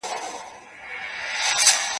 مُلا وویل نیم عمر دي تباه سو